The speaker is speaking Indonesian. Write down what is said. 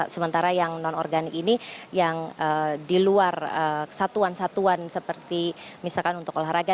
sementara yang non organik ini yang di luar kesatuan satuan seperti misalkan untuk olahraga